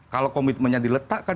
kalau komitmennya diletakkan